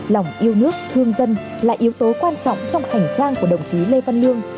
lòng yêu nước thương dân là yếu tố quan trọng trong hành trang của đồng chí lê văn lương